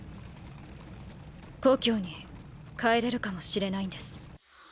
故郷に帰れるかもしれないんです。